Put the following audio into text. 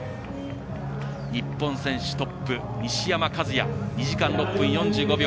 日本選手トップ西山和弥、２時間６分４５秒。